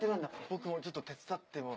僕もちょっと手伝っても。